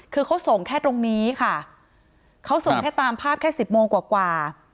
คือเขาส่งแค่ตรงนี้ค่ะเขาส่งแค่ตามภาพแค่สิบโมงกว่า